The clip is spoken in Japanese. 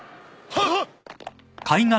はっ。